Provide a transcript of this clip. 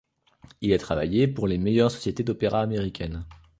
Il a travaillé pour les meilleures sociétés d'opéra américaines.